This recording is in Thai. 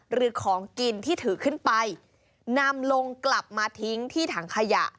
หรือของกินที่ถือขึ้นไปนำลงกลับมาทิ้งที่ถังขยะ